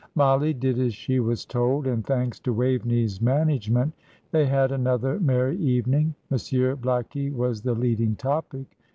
Mollie did as she was told; and, thanks to Waveney's management, they had another merry evening. Monsieur Blackie was the leading topic.